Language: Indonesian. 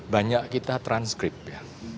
banyak kita transkrip ya